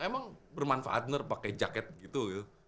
emang bermanfaat bener pakai jaket gitu